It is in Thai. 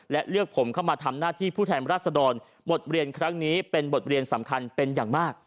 และเลือกผมเข้ามาทำหน้าที่ผู้แทนรัศดรบทเรียนครั้งนี้เป็นบทเรียนสำคัญเป็นอย่างมาก